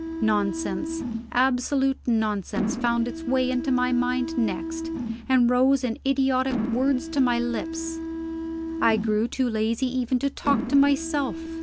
Nonsense, absolute nonsense, found its way into my mind next, and rose in idiotic words to my lips. I grew too lazy even to talk to myself.